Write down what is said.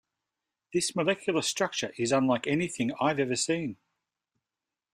This molecular structure is unlike anything I've ever seen.